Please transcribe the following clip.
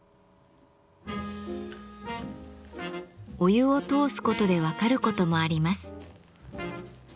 お湯を通すことで分かることもあります。